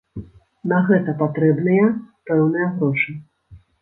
На гэта патрэбныя пэўныя грошы.